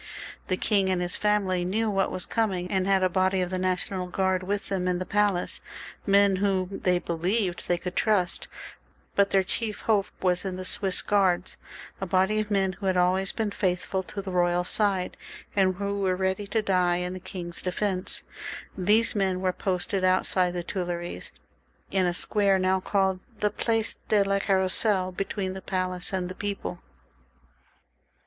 The king and his family knew what was coming, and had a body of the National Guard with them in the palace — men whom they believed they could trust ; but their chief hope was in the Swiss Guards, a body of men who had always been faithful to the royal side, and. who were ready to die in the king's defence. These men were posted outside the Tuileries, in a square now called the Place de la Carrousel, between the palace and the people.